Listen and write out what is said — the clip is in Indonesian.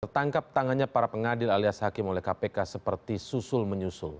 tertangkap tangannya para pengadil alias hakim oleh kpk seperti susul menyusul